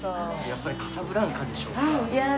やっぱりカサブランカでしょうか。